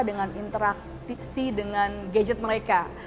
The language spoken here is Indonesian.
dengan interaksi dengan gadget mereka